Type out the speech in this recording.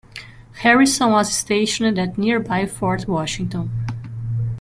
Harrison was stationed at nearby Fort Washington.